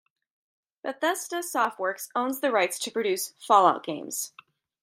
Bethesda Softworks owns the rights to produce "Fallout" games.